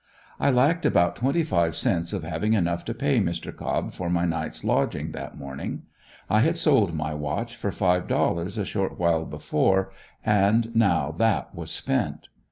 I lacked about twenty five cents of having enough to pay Mr. Cobb for my night's lodging that morning. I had sold my watch for five dollars a short while before and now that was spent.